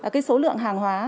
cái số lượng hàng hóa